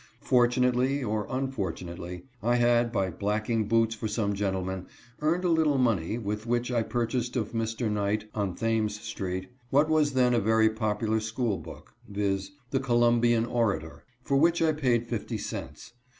Fortunately or unfortunately, I had, by blacking boots for some gentlemen, earned a little money with which I purchased of Mr. Knight, on Thames street, what was then a very popular school book, viz., " The ^^olumbian Orator," for which I paid fifty cents.